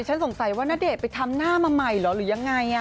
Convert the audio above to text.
ถึงใส่ว่านาเดชน์ไปทำหน้ามาใหม่หรือยังไง